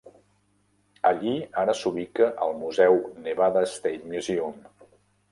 Allí ara s'ubica el museu Nevada State Museum.